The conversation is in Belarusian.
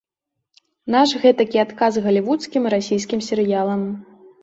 Наш гэтакі адказ галівудскім і расійскім серыялам.